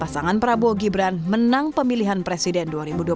pasangan prabowo gibran menang pemilihan presiden dua ribu dua puluh